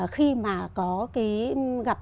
khi mà có cái gặp